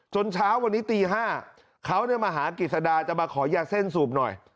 จนเช้าวันนี้ตีห้าเขาเนี่ยมาหากฤษดาจะมาขอยาเซ่นสูบหน่อย